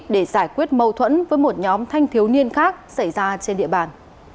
để giải quyết mâu thuẫn với một nhóm thanh thiếu niên khác xảy ra trên địa bàn